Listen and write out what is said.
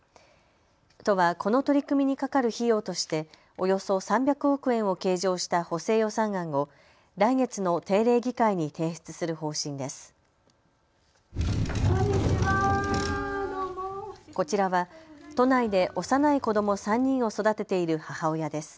都はこの取り組みにかかる費用としておよそ３００億円を計上した補正予算案を来月の定例議会に提出する方針です。